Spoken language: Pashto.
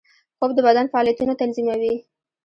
خوب د بدن فعالیتونه تنظیموي